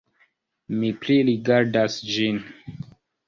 Mi pririgardas ĝin.